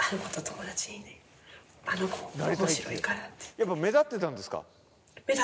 やっぱ目立ってたんですか？